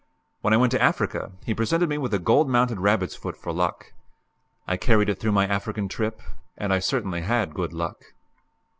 When I went to Africa he presented me with a gold mounted rabbit's foot for luck. I carried it through my African trip; and I certainly had good luck.